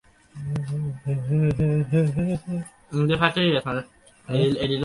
ঐ ব্যাপারে কিছু বলতে চাই না বাবা।